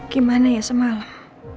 gimana ya semalam